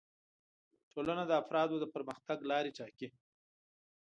ټولنه د افرادو د پرمختګ لارې ټاکي